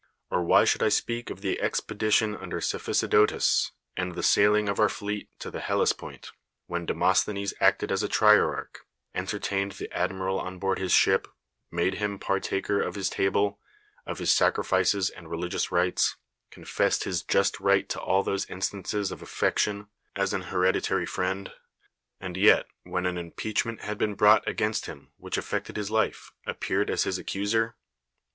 or why should I speak of the expedition under Cephi sodotus, and the sailing of our fleet to the Helles pont, when Demosthenes acted as a trierarch, entertained the admiral on board his ship, made him partaker of his table, of his sacrifices and religious rites, confessed his just right to all those instances of affection, as an hereditary friend; and yet, when an impeachment had been brought against him which aff'ected his life, appeared as his accuser?